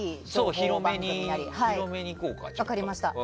広めにいこうか。